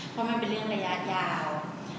เพราะมันเป็นเรื่องระยะยาว